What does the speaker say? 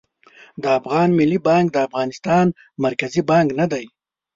د افغان ملي بانک د افغانستان مرکزي بانک نه دي